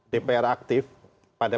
dpr aktif pada